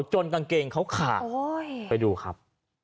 จนกางเกงเขาขาดโอ้ยไปดูครับ